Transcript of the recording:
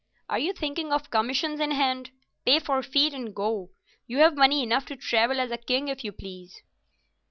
"Are you thinking of commissions in hand? Pay forfeit and go. You've money enough to travel as a king if you please."